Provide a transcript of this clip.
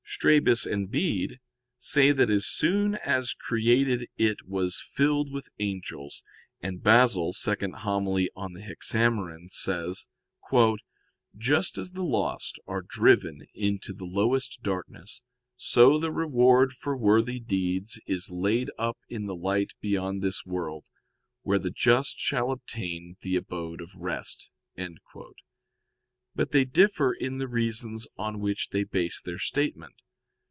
Strabus and Bede say that as soon as created it was filled with angels; and Basil [*Hom. ii. in Hexaem.] says: "Just as the lost are driven into the lowest darkness, so the reward for worthy deeds is laid up in the light beyond this world, where the just shall obtain the abode of rest." But they differ in the reasons on which they base their statement.